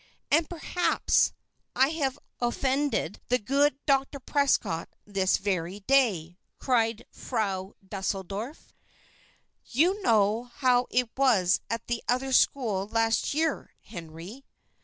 "And perhaps I have offended the good Dr. Prescott this very day," cried Frau Deuseldorf. "You know how it was at that other school last year, Henry."